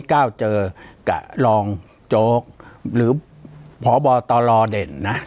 ปากกับภาคภูมิ